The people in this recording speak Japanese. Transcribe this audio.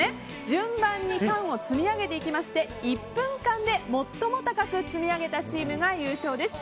順番に缶を積み上げていきまして１分間で最も高く積み上げたチームが優勝です。